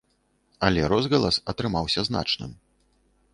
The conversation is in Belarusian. Але розгалас атрымаўся значным.